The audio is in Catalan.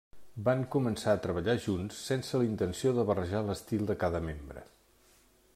Van començar a treballar junts sense la intenció de barrejar l’estil de cada membre.